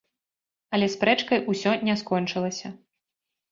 Але спрэчкай усё не скончылася.